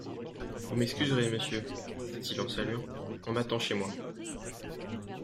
Vous m'excuserez, monsieur, dit-il en saluant, on m'attend chez moi.